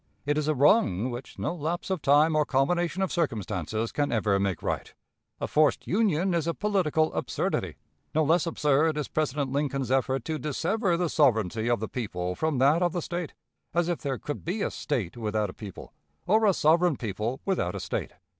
It is a wrong which no lapse of time or combination of circumstances can ever make right. A forced union is a political absurdity. No less absurd is President Lincoln's effort to dissever the sovereignty of the people from that of the State; as if there could be a State without a people, or a sovereign people without a State.